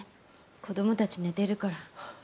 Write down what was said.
子どもたち寝てるから。